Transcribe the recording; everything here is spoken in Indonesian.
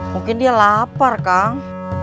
mungkin dia lapar kang